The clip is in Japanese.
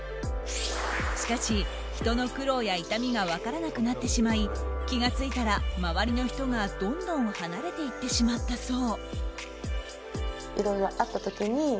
しかし、人の苦労や痛みが分からなくなってしまい気が付いたら周りの人がどんどん離れていってしまったそう。